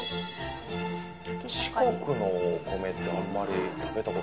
四国のお米ってあんまり食べた事。